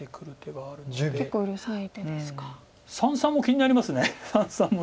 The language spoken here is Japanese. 三々も気になります三々も。